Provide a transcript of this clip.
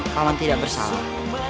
paman tidak bersalah